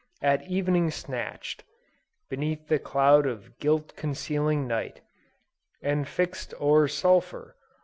at evening snatched, Beneath the cloud of guilt concealing night, And fixed o'er sulphur!